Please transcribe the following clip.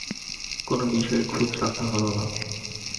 কোনো বিষয়েই খুঁত রাখা হল না।